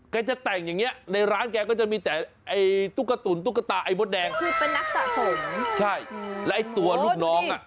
แกจะแต่งอย่างนี้ในร้านแกก็จะมีแต่ไอ้ตุ๊กตุ๋นตุ๊กตาไอ้มดแดง